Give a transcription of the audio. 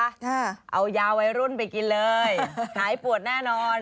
ค่ะเอายาวัยรุ่นไปกินเลยหายปวดแน่นอน